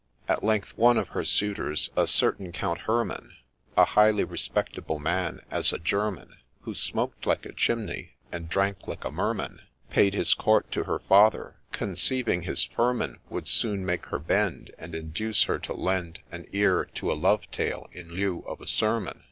At length one of her suitors, a certain Count Herman, A highly respectable man as a German, Who smoked like a chimney, and drank like a Merman, Paid his court to her father, conceiving his firman Would soon make her bend. And induce her to lend An ear to a love tale in lieu of a sermon.